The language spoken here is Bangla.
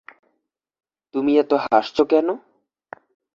তুমি এত হাসছো কেন?